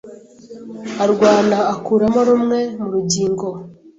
arwana akuramo rumwe mu rugingo